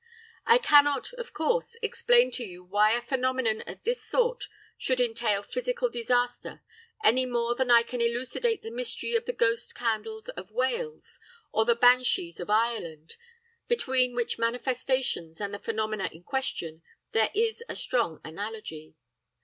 "'I cannot, of course, explain to you why a phenomenon of this sort should entail physical disaster any more than I can elucidate the mystery of the Ghost Candles of Wales, or the Banshees of Ireland, between which manifestations and the phenomena in question there is a strong analogy.